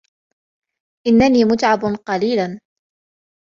إنني متعب قليلاً.